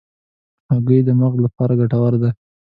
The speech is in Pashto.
هګۍ د مغز لپاره ګټوره ده.